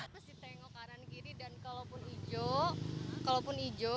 kita harus ditengok kanan kiri dan kalau pun hijau